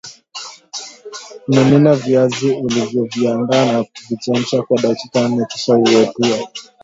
Mimina viazi ulivoviandaa na kuvichemsha kwa dakika nne kisha uepue